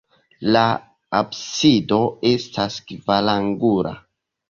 La absido estas kvarangula.